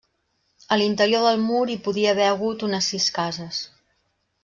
A l'interior del mur hi podia haver hagut unes sis cases.